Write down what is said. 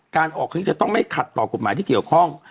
การออกครั้งนี้จะต้องไม่ขัดต่อกฎหมายที่เกี่ยวข้อง